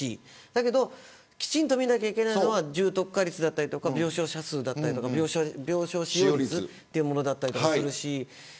だけどきちんと見なきゃいけないのは重篤化率だったり、病床使用率というものだったりするし。